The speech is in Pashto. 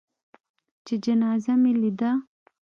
چې جنازه مې لېده.